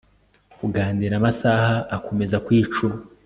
kuganira amasaha akomeza kwicuma